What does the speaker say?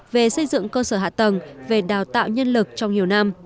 về xây dựng cơ sở hạ tầng về đào tạo nhân lực trong nhiều năm